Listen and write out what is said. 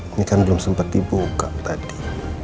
ini kan belum sempat dibuka tadi